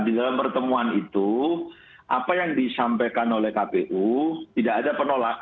di dalam pertemuan itu apa yang disampaikan oleh kpu tidak ada penolakan